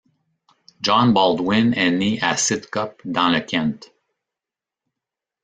John Baldwin est né à Sidcup dans le Kent.